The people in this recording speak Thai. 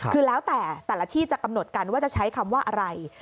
คือแล้วแต่แต่ละที่จะกำหนดกันว่าจะใช้คำว่าอะไร